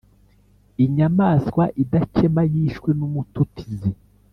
Inyamaswa idakema yishwe n’umututizi